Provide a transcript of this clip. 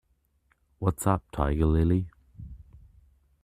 What's Up, Tiger Lily?